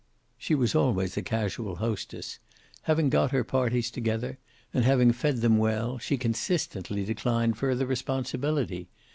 She was always a casual hostess. Having got her parties together, and having fed them well, she consistently declined further responsibility.